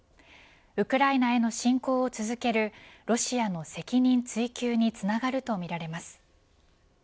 ウクライナへの進行を続けるロシアの責任追及につながるとみられます。